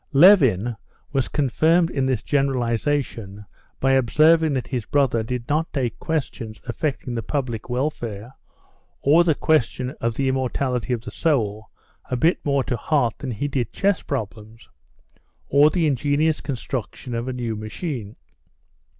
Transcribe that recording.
Levin was confirmed in this generalization by observing that his brother did not take questions affecting the public welfare or the question of the immortality of the soul a bit more to heart than he did chess problems, or the ingenious construction of a new machine.